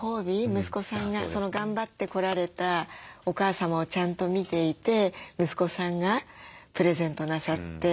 息子さんが頑張ってこられたお母様をちゃんと見ていて息子さんがプレゼントなさって。